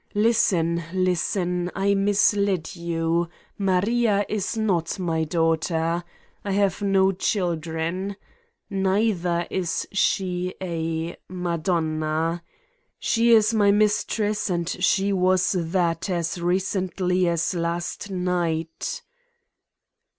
Listen ! Listen ! I misled you : Maria is not my daughter ... I have no chil dren. Neither is she a ... Madonna. She is 235 Satan's Diary my mistress and she was that as recently as last night.